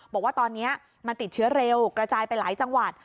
บอกว่าตอนนี้มันติดเชื้อเร็วกระจายไปหลายจังหวัด